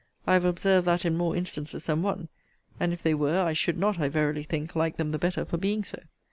I have observed that in more instances than one: and if they were, I should not, I verily think, like them the better for being so.